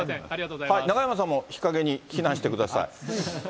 中山さんも日陰に避難してください。